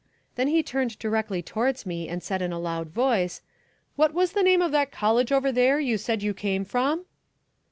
Then he turned directly towards me and said in a loud voice, "What was the name of that college over there you said you came from?"